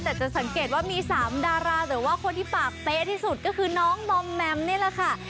แต่จะสังเกตว่ามี๓ดาราแต่ว่าคนที่ปากเป๊ะที่สุดก็คือน้องมอมแมมนี่แหละค่ะ